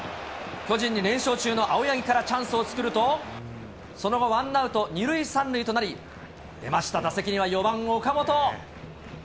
巨人に連勝中の青柳からチャンスを作ると、その後、ワンアウト２塁３塁となり、出ました、打席には４番岡本。